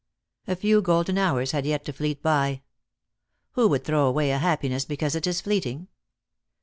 A few golden hours had yet to fleet by. Who would throw away a happiness because it is fleeting